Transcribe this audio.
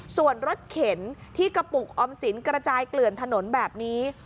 ส่วนรถเข็นที่กระปุกออมสินกระจายเกลื่อนถนนแบบนี้